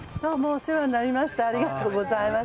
お世話になります。